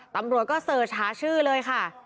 ตำรวจก็เสิร์ชหาชื่อเลยค่ะ